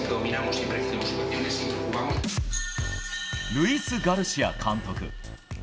ルイス・ガルシア監督。